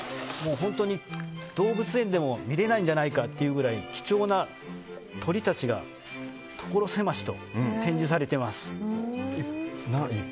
本当に動物園でも見れないんじゃないかっていうぐらい貴重な鳥たちが所狭しと展示されています。